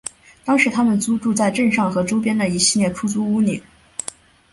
当时他们租住在镇上和周边的一系列出租屋里。